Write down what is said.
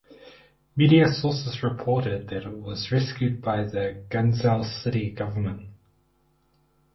Media sources reported that it was rescued by the Guangzhou city government.